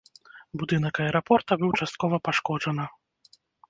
Будынак аэрапорта быў часткова пашкоджана.